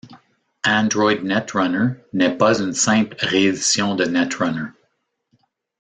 Android Netrunner n'est pas une simple réédition de Netrunner.